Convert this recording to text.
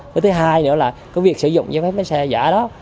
cái thứ hai nữa là cái việc sử dụng giấy phép lái xe giả đó